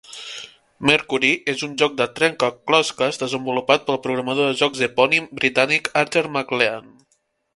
"Mercury" és un joc de trencaclosques desenvolupat pel programador de jocs epònim britànic Archer MacLean.